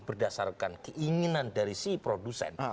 berdasarkan keinginan dari si produsen